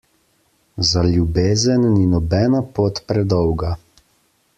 Za ljubezen ni nobena pot predolga.